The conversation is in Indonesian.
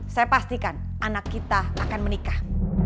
saya pastikan anak kita akan menikah